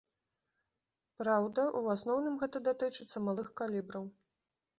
Праўда, у асноўным гэта датычыцца малых калібраў.